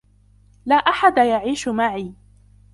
لا أحد يعيش معي.